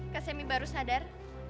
kak semi baru sadar